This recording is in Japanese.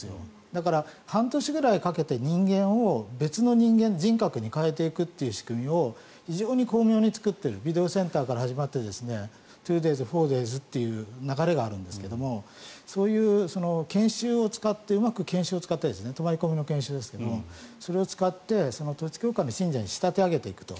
だから、半年ぐらいかけて人間を別の人格に変えていくという仕組みを非常に巧妙に作っているビデオセンターから始まってツーデーズ、フォーデーズという流れがあるんですがそういう研修をうまく使って泊まり込みの研修ですがそれを使って統一教会の信者に仕立て上げていくと。